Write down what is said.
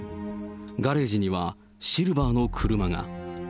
ガレージにはシルバーの車が。